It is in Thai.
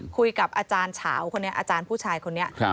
คุยกับอาจารย์ผู้ชายข้าว